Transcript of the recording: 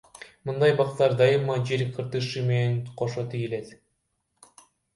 Мындай бактар дайыма жер кыртышы менен кошо тигилет.